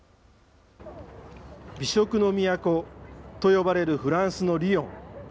美食の都と呼ばれる、フランスのリヨン。